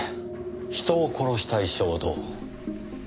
人を殺したい衝動。